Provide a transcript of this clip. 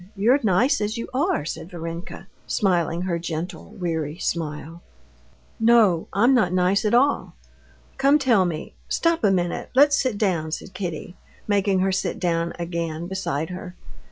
You're nice as you are," said Varenka, smiling her gentle, weary smile. "No, I'm not nice at all. Come, tell me.... Stop a minute, let's sit down," said Kitty, making her sit down again beside her.